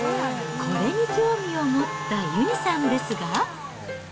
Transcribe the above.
これに興味を持ったゆにさんですが。